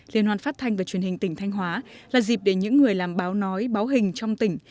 liên hoan phát thanh và truyền hình tỉnh thanh hóa là dịp để những người làm báo nói báo hình trong tỉnh